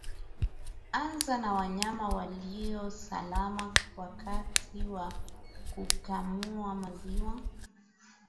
Anza na wanyama walio salama wakati wa kukamua maziwa